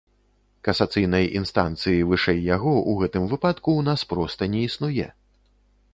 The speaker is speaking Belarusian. Касацыйнай інстанцыі вышэй яго ў гэтым выпадку ў нас проста не існуе!